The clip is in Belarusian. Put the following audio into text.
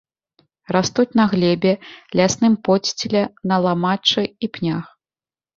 Растуць на глебе, лясным подсціле, на ламаччы і пнях.